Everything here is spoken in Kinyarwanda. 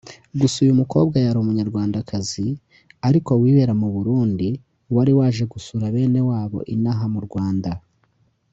Gusa uyu mukobwa yari umunyarwandakazi ariko wibera mu u Burundi wari waje gusura bene wabo inaha mu Rwanda